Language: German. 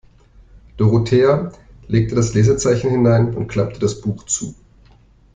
Dorothea legte das Lesezeichen hinein und klappte das Buch zu.